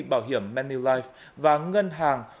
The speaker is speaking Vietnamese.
bảo hiểm manulife và ngân hàng